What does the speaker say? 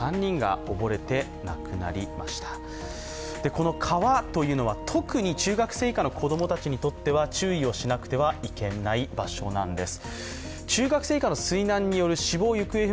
この川というのは特に中学生以下の子供たちにとっては注意をしなくてはいけない場所なんです。